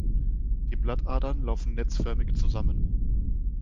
Die Blattadern laufen netzförmig zusammen.